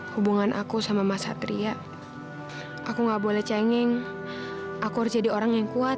hubungan aku sama mas satria aku nggak boleh cengeng aku harus jadi orang yang kuat